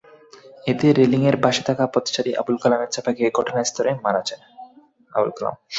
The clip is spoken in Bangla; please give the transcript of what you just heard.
এতে রেলিংয়ের পাশে থাকা পথচারী আবুল কালাম চাপা খেয়ে ঘটনাস্থলেই মারা যান।